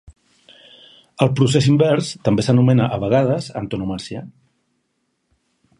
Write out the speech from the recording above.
El procés invers també s'anomena a vegades antonomàsia.